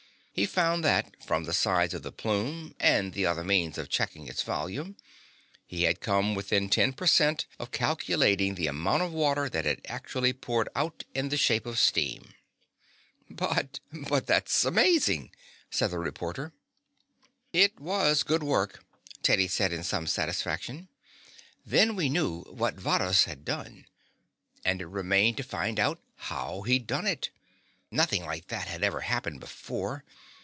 He found that from the size of the plume and the other means of checking its volume, he had come within ten per cent of calculating the amount of water that had actually poured out in the shape of steam." "But but that's amazing!" said the reporter. "It was good work," Teddy said in some satisfaction. "Then we knew what Varrhus had done, and it remained to find out how he'd done it. Nothing like that had ever happened before.